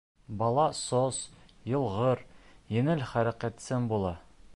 Бала сос, йылғыр, еңел хәрәкәтсән була.